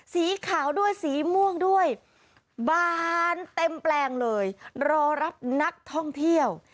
สีขาวด้วยสีม่วงด้วยบานเต็มแปลงเลยรอรับนักท่องเที่ยว